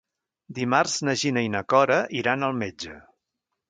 Dimarts na Gina i na Cora iran al metge.